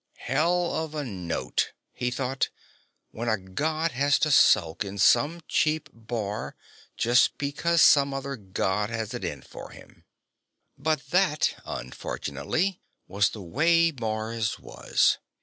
Hell of a note, he thought, when a God has to skulk in some cheap bar just because some other God has it in for him. But that, unfortunately, was the way Mars was.